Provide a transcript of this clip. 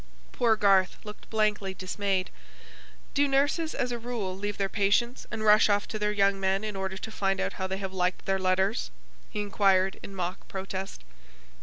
Poor Garth looked blankly dismayed. "Do nurses, as a rule, leave their patients, and rush off to their young men in order to find out how they have liked their letters?" he inquired, in mock protest.